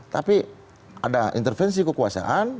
tapi ada intervensi kekuasaan